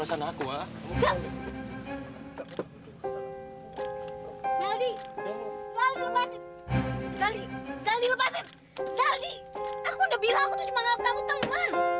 zaldi aku udah bilang aku cuma nganggap kamu teman